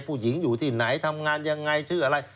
ผู้หญิงอยู่ที่ไหนทำงานยังไงชื่ออะไร